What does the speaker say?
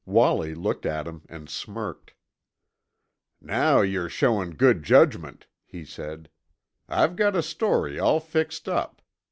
Wallie looked at him and smirked. "Now yer showin' good judgment," he said. "I've got a story all fixed up.